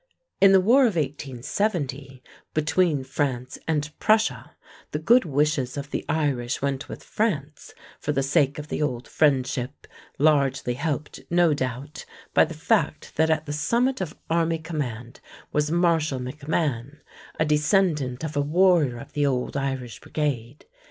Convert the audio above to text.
In the War of 1870, between France and Prussia, the good wishes of the Irish went with France, for the sake of the old friendship, largely helped, no doubt, by the fact that at the summit of army command was Marshal MacMahon, a descendant of a warrior of the old Irish Brigade.